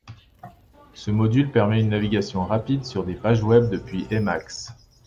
Ce module permet une navigation rapide sur des pages web depuis Emacs.